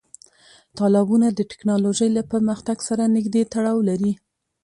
تالابونه د تکنالوژۍ له پرمختګ سره نږدې تړاو لري.